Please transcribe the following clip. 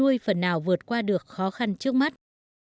người chăn nuôi phần nào vượt qua được khó khăn trước mắt